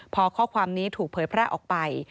พอข้อความนี้ถูกเผยแพร่ออกไป